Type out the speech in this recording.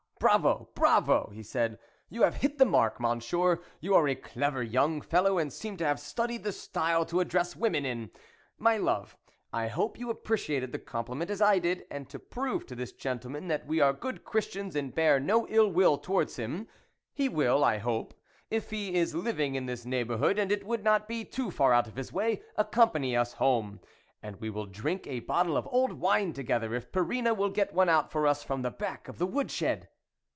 bravo, bravo !" he said, " you have hit the mark, Monsieur; you are a clever young fellow, and seem to have studied the style to address women in. My love, I hope you appreciated the compliment as I did, and to prove to this gentlemen that we are good Christians and bear no ill will towards him, he will, I hope, if he is living in this neighbourhood and it would not be too far out of his way, accompany us home, and we will drink a bottle of old wine together, if Perrine will get one out for us from the back of the wood shed."